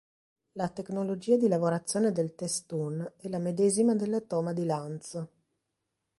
La tecnologia di lavorazione del "testun" è la medesima della toma di Lanzo.